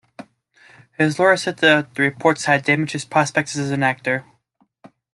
His lawyer said the reports had "damaged his prospects as an actor".